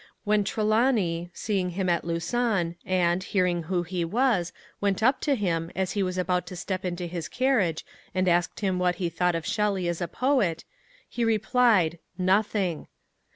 When Trelawny, seeing him at Lausanne and, learning who he was, went up to him as he was about to step into his carriage and asked him what he thought of Shelley as a poet, he replied: "Nothing."